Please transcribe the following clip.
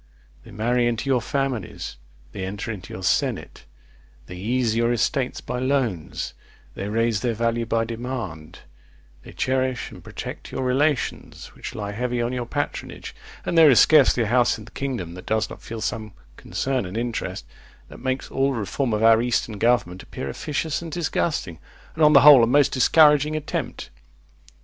They marry into your families; they enter into your senate; they ease your estates by loans; they raise their value by demand; they cherish and protect your relations which lie heavy on your patronage; and there is scarcely a house in the kingdom that does not feel some concern and interest, that makes all reform of our eastern government appear officious and disgusting; and, on the whole, a most discouraging attempt.